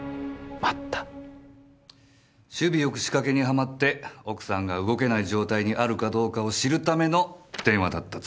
首尾よく仕掛けにはまって奥さんが動けない状態にあるかどうかを知るための電話だった。